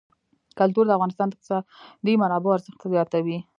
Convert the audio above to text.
کلتور د افغانستان د اقتصادي منابعو ارزښت زیاتوي.